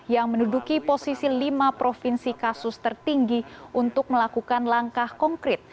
yang menduduki posisi lima provinsi kasus tertinggi untuk melakukan langkah konkret